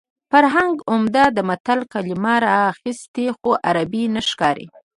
فرهنګ عمید د متل کلمه راخیستې خو عربي نه ښکاري